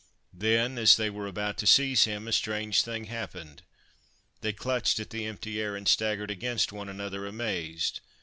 Then, as they were about to seize him, a strange thing happened. They clutched at the empty air and staggered against one another, amazed.